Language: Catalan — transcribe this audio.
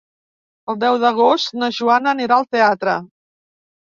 El deu d'agost na Joana anirà al teatre.